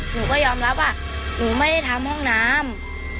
หนูก็ยอมรับว่าหนูไม่ได้ทำห้องน้ำ